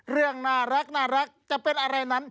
เรื่องน่ารักจะเป็นอะไรนั้น